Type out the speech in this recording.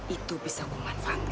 itu bisa aku manfaatkan